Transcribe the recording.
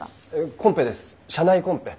コンペです社内コンペ。